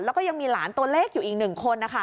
แล้วก็ยังมีหลานตัวเล็กอยู่อีก๑คน